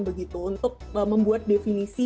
begitu untuk membuat definisi